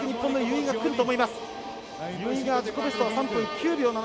由井が自己ベストは３分９秒７０。